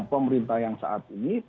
pemerintah yang saat ini